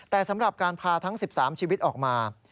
แต่สำหรับการพาทั้ง๑๓ชีวิตออกมา